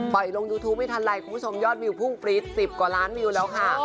ลงยูทูปไม่ทันไรคุณผู้ชมยอดวิวพุ่งปรี๊ด๑๐กว่าล้านวิวแล้วค่ะ